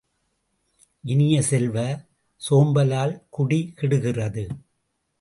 இனிய செல்வ, சோம்பலால் குடி கெடுகிறது.